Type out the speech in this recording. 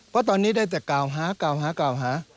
เพราะตอนนี้ได้แต่กล่าวหากล่าวหากล่าวหา